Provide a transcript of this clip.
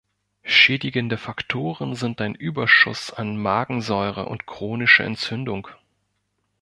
Schädigende Faktoren sind ein Überschuss an Magensäure und chronische Entzündung.